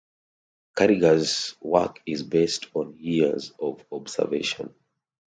Carrighar's work is based on years of observation.